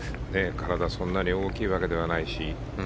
体、そんなに大きいわけじゃないし。